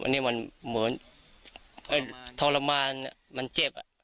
อันนี้มันเหมือนทรมานมันเจ็บ